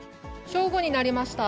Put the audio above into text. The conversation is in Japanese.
正午になりました。